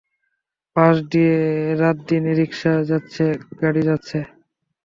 পাশ দিয়ে রাত-দিন রিকশা যাচ্ছে, গাড়ি যাচ্ছে।